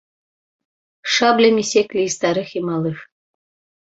Шаблямі секлі і старых, і малых.